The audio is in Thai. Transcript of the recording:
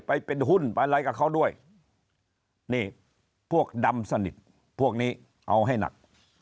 ไปเป็นหุ้นไปอะไรกับเขาด้วยนี่พวกดำสนิทพวกนี้เอาให้หนัก